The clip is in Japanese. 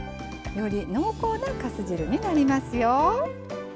より濃厚なかす汁になりますよ。